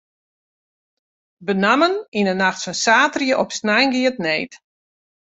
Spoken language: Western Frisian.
Benammen yn de nacht fan saterdei op snein gie it need.